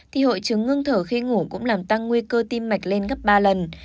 thì hội chứng ngưng thở khi ngủ cũng làm tăng nguy cơ tim mạch lên gấp ba lần